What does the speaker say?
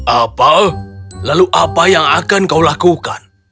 apa lalu apa yang akan kau lakukan